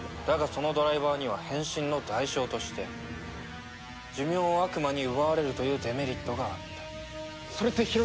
だがそのドライバーには変身の代償として寿命を悪魔に奪われるというデメリットがあった。